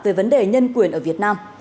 về vấn đề nhân quyền ở việt nam